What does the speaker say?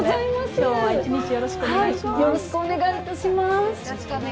今日は一日よろしくお願いします。